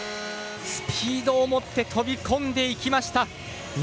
スピードを持って飛び込んでいきました。